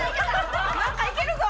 なんかいけるぞ！